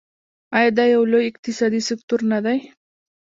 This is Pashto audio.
آیا دا یو لوی اقتصادي سکتور نه دی؟